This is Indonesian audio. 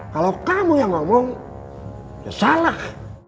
kalau kamu yang ngomong ya salah